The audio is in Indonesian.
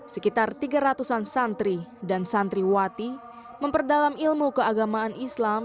sekitar tiga ratusan santri dan santri wati memperdalam ilmu keagamaan islam